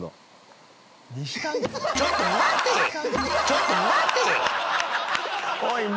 ちょっと待てぃ！！